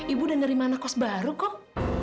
ibu udah nerima anak kos baru kok